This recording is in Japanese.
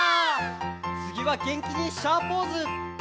「つぎは元気にシャーポーズ！」